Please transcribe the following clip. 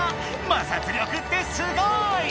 摩擦力ってすごい！